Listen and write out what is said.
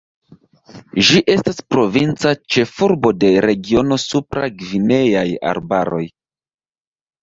Ĝi estas provinca ĉefurbo de regiono Supra-Gvineaj arbaroj.